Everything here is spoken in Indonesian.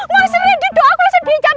mas rendy doang gua bisa diinjam